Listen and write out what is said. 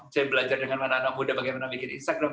saya belajar dengan anak anak muda bagaimana bikin instagram